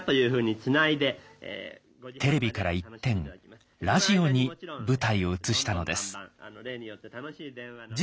テレビから一転ラジオに舞台を移したのです。